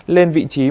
lên vị trí